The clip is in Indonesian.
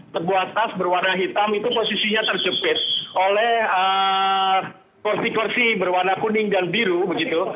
sebuah tas berwarna hitam itu posisinya terjepit oleh kursi kursi berwarna kuning dan biru begitu